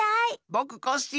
ぼくコッシー。